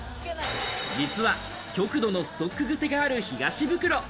実は極度のストック癖がある東ブクロ。